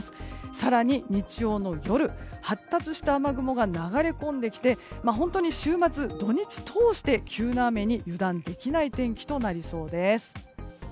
更に日曜の夜発達した雨雲が流れ込んできて本当に週末、土日通して急な雨に油断できない天気となりそうです。